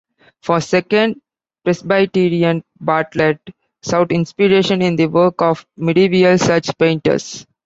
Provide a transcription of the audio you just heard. For Second Presbyterian, Bartlett sought inspiration in the work of medieval church painters.